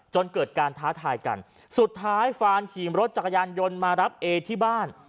จนเกิดการท้าทายกันสุดท้ายฟานขี่รถจักรยานยนต์มารับเอที่บ้าน